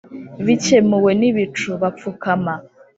bikemuwe n'ibicu, bapfukama